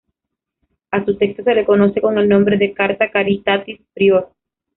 A su texto se le conoce con el nombre de "Carta caritatis prior".